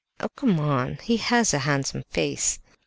"Oh, come! He has a handsome face."